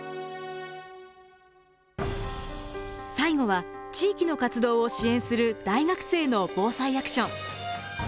最後は地域の活動を支援する大学生のＢＯＳＡＩアクション。